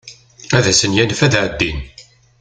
Ad asen-yanef ad ɛeddin.